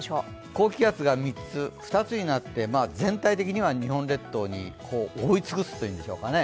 高気圧が３つ、２つになって全体的には日本列島に覆い尽くすというんでしょうかね